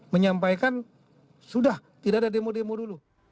menyampaikan sudah tidak ada demo demo dulu